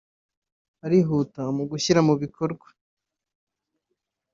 Arihuta mu gushyira mu bikorwa